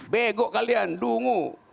begok kalian dungu